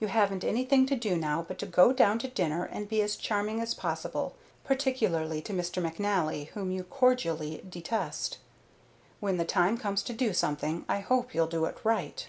You haven't anything to do now but go down to dinner and be as charming as possible, particularly to Mr. McNally, whom you cordially detest. When the time comes to do something, I hope you'll do it right."